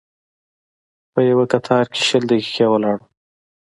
په یوه کتار کې شل دقیقې ولاړ وم.